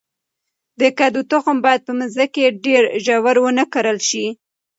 د کدو تخم باید په مځکه کې ډیر ژور ونه کرل شي.